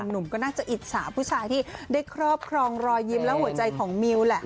หนุ่มก็น่าจะอิจฉาผู้ชายที่ได้ครอบครองรอยยิ้มและหัวใจของมิวแหละ